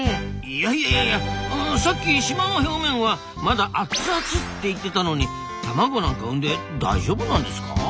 いやいやいやさっき島の表面はまだアツアツって言ってたのに卵なんか産んで大丈夫なんですか？